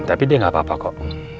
tapi dia gapapa kok